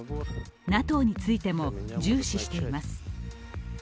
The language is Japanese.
ＮＡＴＯについても、重視しています。